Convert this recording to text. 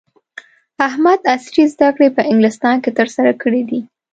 احمد عصري زده کړې په انګلستان کې ترسره کړې دي.